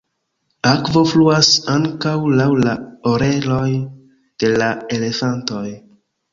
Akvo fluas ankaŭ laŭ la oreloj de la elefantoj.